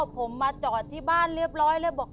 ผมมาจอดที่บ้านเรียบร้อยแล้วบอก